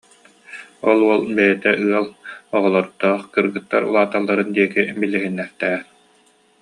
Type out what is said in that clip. Ол уол бэйэтэ ыал, оҕолордоох, кыргыттар улааталларын диэки билиһиннэртээр